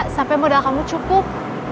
sampai modal kamu cukup